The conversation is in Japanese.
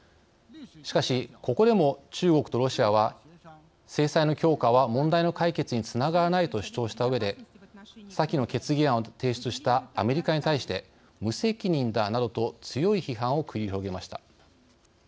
しかし、ここでも中国とロシアは制裁の強化は問題の解決につながらないと主張したうえで先の決議案を提出したアメリカに対して無責任だなどと強い批判を繰り広げました。